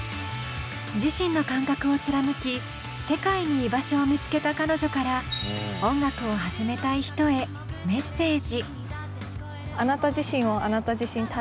自身の感覚を貫き世界に居場所を見つけた彼女から音楽を始めたい人へメッセージ。